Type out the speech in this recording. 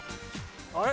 あれ？